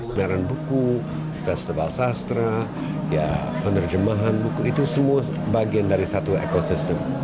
pembayaran buku festival sastra penerjemahan buku itu semua bagian dari satu ekosistem